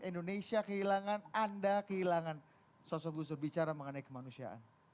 indonesia kehilangan anda kehilangan sosok gus dur bicara mengenai kemanusiaan